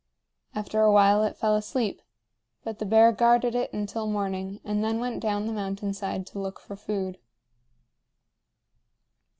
After a while it fell asleep; but the bear guarded it until morning and then went down the mountain side to look for food.